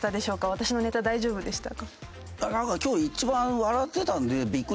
私のネタ大丈夫でしたか？